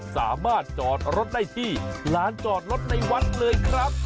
สามารถจอดรถได้ที่ลานจอดรถในวัดเลยครับ